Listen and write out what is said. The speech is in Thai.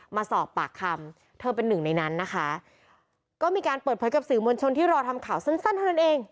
มาสอบปากคำเธอเป็นหนึ่งในนั้นนะคะก็มีการเปิดเผยกับสื่อมวลชนที่รอทำข่าวสั้นสั้นเท่านั้นเอง